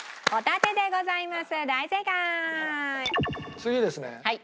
次ですね。